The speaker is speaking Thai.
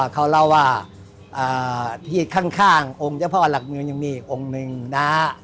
เขาเล่าว่าที่ข้างองค์เจ้าพ่อหลักเมืองยังมีอีกองค์หนึ่งนะ